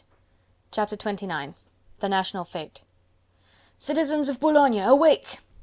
Chapter XXIX: The National Fete "Citizens of Boulogne, awake!"